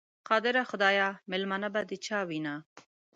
قادره خدایه، مېلمنه به د چا وینه؟